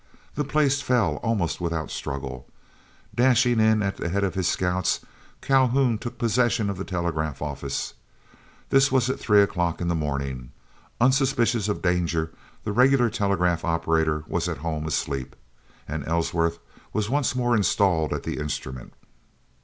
The place fell, almost without struggle. Dashing in at the head of his scouts, Calhoun took possession of the telegraph office. This was at three o'clock in the morning. Unsuspicious of danger the regular telegraph operator was at home asleep, and Ellsworth was once more installed at the instrument.